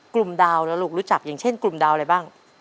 ดาวนะลูกรู้จักอย่างเช่นกลุ่มดาวอะไรบ้าง